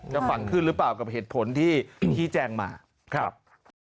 ฟังขึ้นหรือเปล่ากับเหตุผลที่ชี้แจงมาครับ